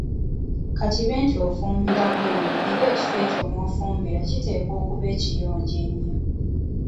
Ka kibe nti ofumbira bweru era ekifo ekyo w‘ofumbira kiteekwa okuba ekiyonjo ennyo.